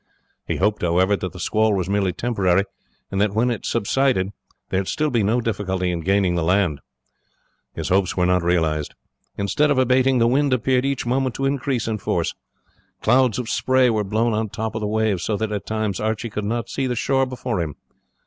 He hoped, however, that the squall was merely temporary, and that when it subsided there would still be no difficulty in gaining the land. His hope was not realized. Instead of abating, the wind appeared each moment to increase in force. Clouds of spray were blown on the top of the waves, so that at times Archie could not see the shore before him.